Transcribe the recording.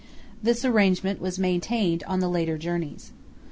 This arrangement was maintained on the later journeys.